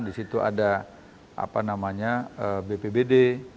disitu ada bpbd